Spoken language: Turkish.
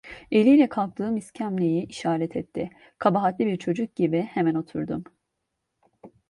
Eliyle kalktığım iskemleyi işaret etti, kabahatli bir çocuk gibi hemen oturdum.